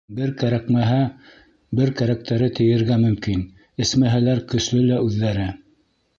Бер кәрәкмәһә, бер кәрәктәре тейергә мөмкин, эсмәһәләр көслө лә үҙҙәре.